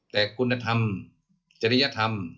แต่คุณธรรมจริยธรรม